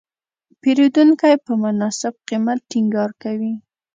پیرودونکی په مناسب قیمت ټینګار کوي.